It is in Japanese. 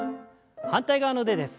反対側の腕です。